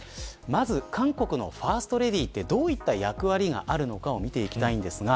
まず、韓国のファーストレディーはどういった役割があるのかを見ていきます。